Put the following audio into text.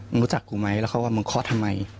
มองรู้จักกูไหมว่ามึงคอดทำไม